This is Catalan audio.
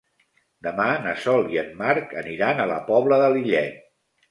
Demà na Sol i en Marc aniran a la Pobla de Lillet.